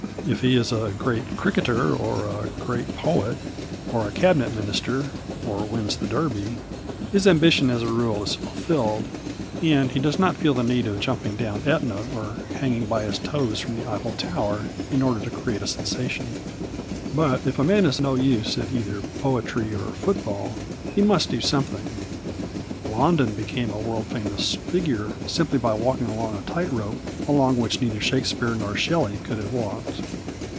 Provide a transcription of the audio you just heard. If he is a great cricketer, or a great poet, or a Cabinet Minister, or wins the Derby, his ambition as a rule is fulfilled and he does not feel the need of jumping down Etna or hanging by his toes from the Eiffel Tower in order to create a sensation. But if a man is no use at either poetry or football, he must do something. Blondin became a world famous figure simply by walking along a tight rope along which neither Shakespeare nor Shelley could have walked.